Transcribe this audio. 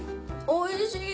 おいしい！